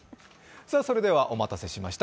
それではお待たせしました。